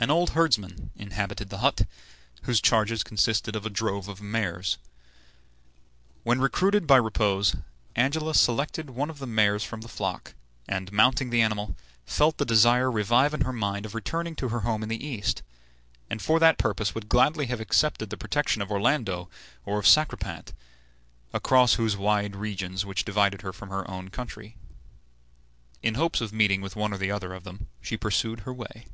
An old herdsman inhabited the hut, whose charges consisted of a drove of mares. When recruited by repose Angelica selected one of the mares from the flock, and, mounting the animal, felt the desire revive in her mind of returning to her home in the East, and for that purpose would gladly have accepted the protection of Orlando or of Sacripant across those wide regions which divided her from her own country. In hopes of meeting with one or the other of them she pursued her way.